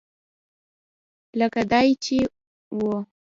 لکه دای چې و.